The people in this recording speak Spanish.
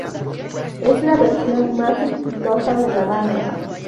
Es la versión más exitosa de la banda.